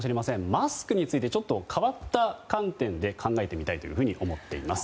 マスクについてちょっと変わった観点で考えてみたいと思います。